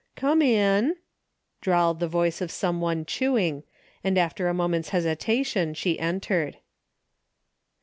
" Come in," drawled the voice of some one chewing, and after a moment's hesitation she entered.